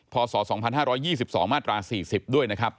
พศ๒๕๒๒มาตรา๔๐ด้วย